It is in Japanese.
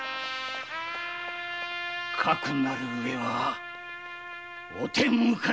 かくなる上はお手向かい致す。